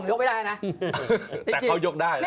แต่เขายกได้นะ